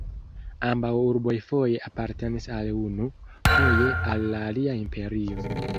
Ambaŭ urboj foje apartenis al unu, foje al la alia imperio.